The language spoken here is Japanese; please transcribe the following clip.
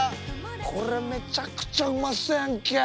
これめちゃくちゃうまそうやんけ！